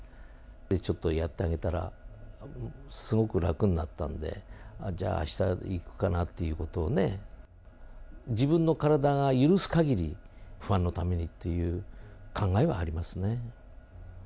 ちょっとやってあげたら、すごく楽になったんで、じゃあ、あした行くかなっていうことをね、自分の体が許すかぎり、ファンのためにっていう考えはありますね。